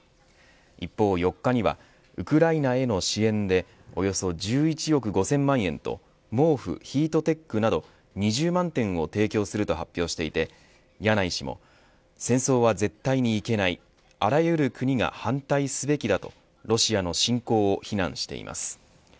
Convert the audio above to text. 一方、４日にはウクライナへの支援でおよそ１１億５０００万円と毛布、ヒートテックなど２０万点を提供すると発表していて柳井氏も戦争は絶対にいけないあらゆる国が反対すべきだとロシアの侵攻を非難しています。